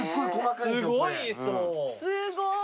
すごーい！